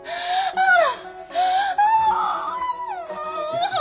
ああ。